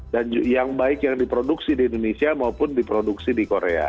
dan yang baik yang diproduksi di indonesia maupun diproduksi di korea